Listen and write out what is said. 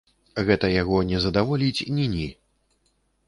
Гэта яго не здаволіць ні-ні.